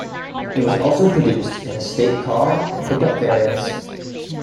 It was also produced in estate car and pick-up variants.